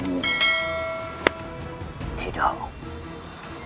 aku tidak akan menyerahkan senjatamu ini